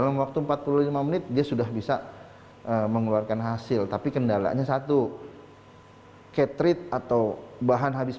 dalam waktu empat puluh lima menit dia sudah bisa mengeluarkan hasil tapi kendalanya satu catherid atau bahan habis